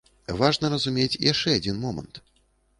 Важна разумець яшчэ адзін момант.